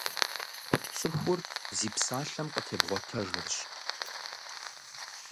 ЦӀыхур зи псалъэм къытебгъуэтэжырщ.